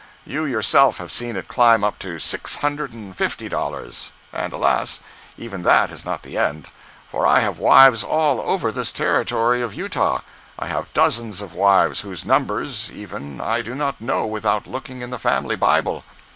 You yourself have seen it climb up to six hundred and fifty dollars—and alas, even that is not the end! For I have wives all over this Territory of Utah. I have dozens of wives whose numbers, even, I do not know without looking in the family Bible.